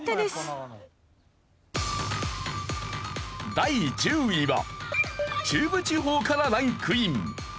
第１０位は中部地方からランクイン。